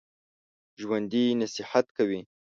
ژوندي نصیحت کوي